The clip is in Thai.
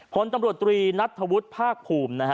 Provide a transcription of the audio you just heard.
ผลตำรวจตรีนัทธวุฒิภาคภูมินะฮะ